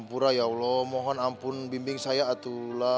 ya allah mohon ampun bimbing saya